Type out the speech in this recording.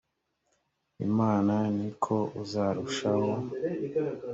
imana ni na ko uzarushaho